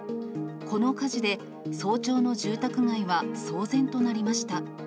この火事で早朝の住宅街は騒然となりました。